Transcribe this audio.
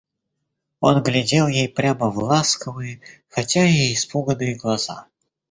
Он глядел ей прямо в ласковые, хотя и испуганные глаза.